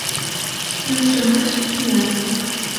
Келшымаш-пиал